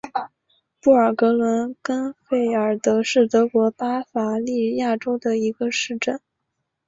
布尔格伦根费尔德是德国巴伐利亚州的一个市镇。